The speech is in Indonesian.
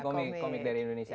komik dari indonesia